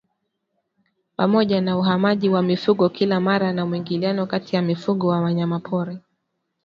Pamoja na uhamaji wa mifugo kila mara na mwingiliano kati ya mifugo na wanyamapori